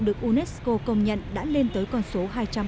được unesco công nhận đã lên tới con số hai trăm bốn mươi sáu